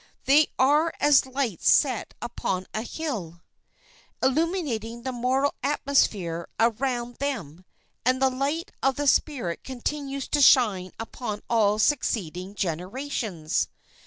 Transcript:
They are as lights set upon a hill, illuminating the moral atmosphere around them; and the light of their spirit continues to shine upon all succeeding generations.